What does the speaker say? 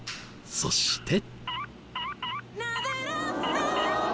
そして。